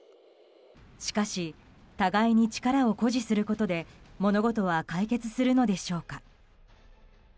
しかし、互いに力を誇示することで物事は解決するのでしょうか。